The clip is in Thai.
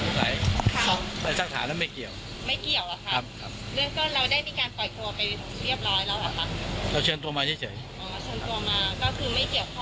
เราเชิญตัวมาเจ๋ยเจ๋ยอ๋อเชิญตัวมาก็คือไม่เกี่ยวข้องไม่เกี่ยวข้องอืม